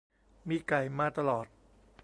มีไก่มาตลอด